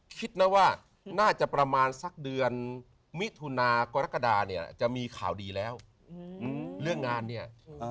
คิดนะว่าน่าจะประมาณสักเดือนมิถุนากรกฎาเนี่ยจะมีข่าวดีแล้วอืมเรื่องงานเนี่ย